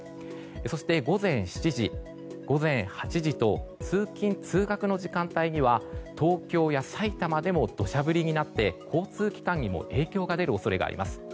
そして午前７時、午前８時と通勤・通学の時間帯には東京や埼玉でも土砂降りになって、交通機関にも影響が出る恐れがあります。